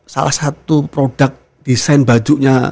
salah satu produk desain bajunya